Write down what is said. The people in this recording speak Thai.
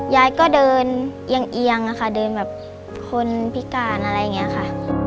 ยายก็เดินเอียงอะค่ะเดินแบบคนพิการอะไรอย่างนี้ค่ะ